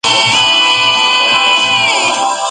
Points" —"Puntos Hermanos"— que tuvo "Superstar Saga".